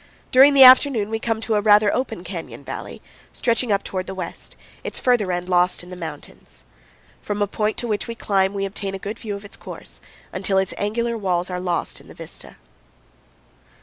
During the afternoon we come to a rather open canyon valley, stretching up toward the west, its farther end lost in the mountains. From a point to which we climb we obtain a good view of its course, until its angular walls are lost in the vista.